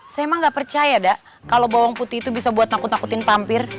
saya memang tidak percaya da kalau bawang putih itu bisa buat takut takutin pampir